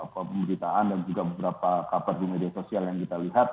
pemberitaan dan juga beberapa kabar di media sosial yang kita lihat